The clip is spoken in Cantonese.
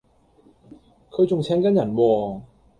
佢仲請緊人喎